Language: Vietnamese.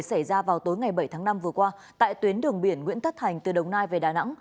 xảy ra vào tối ngày bảy tháng năm vừa qua tại tuyến đường biển nguyễn thất thành từ đồng nai về đà nẵng